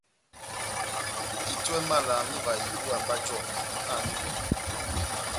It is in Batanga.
Ehitani mala má ivaha ibúwa mba jɔmbɛ, nahandi ipɔ !